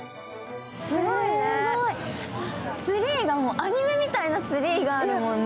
すごいね、ツリーがもうアニメみたいなツリーがあるもんね。